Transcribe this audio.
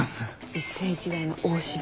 一世一代の大芝居。